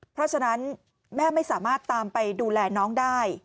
เพราะฉะนั้นแม่ไม่สามารถตามไปดูแลน้องได้